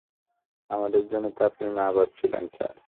আমাদের জন্য তো আপনি মা-বাপ ছিলেন, স্যার।